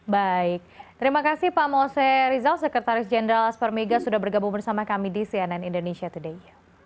baik terima kasih pak mose rizal sekretaris jenderal aspermiga sudah bergabung bersama kami di cnn indonesia today